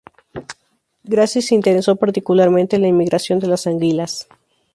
Grassi se interesó particularmente en la migración de las anguilas.